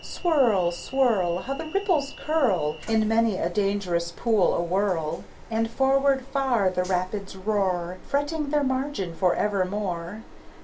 Swirl, swirl! How the ripples curl In many a dangerous pool awhirl! And forward far the rapids roar, Fretting their margin for evermore.